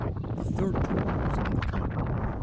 The third tour was on the Continent.